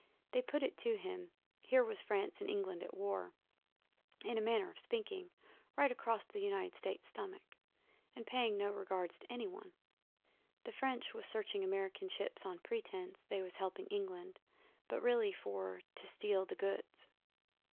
They put it to him, here was France and England at war, in a manner of speaking, right across the United States' stomach, and paying no regards to any one. The French was searching American ships on pretence they was helping England, but really for to steal the goods.